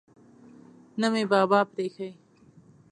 نه مې بابا پریښی.